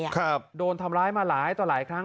ช่ะโดนทำร้ายมาหลายครั้ง